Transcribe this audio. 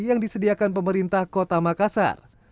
yang disediakan pemerintah kota makassar